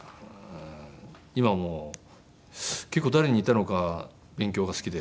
今もう結構誰に似たのか勉強が好きで。